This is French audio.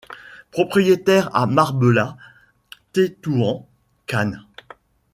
Propriétaire à Marbela, Tetouan, Cannes.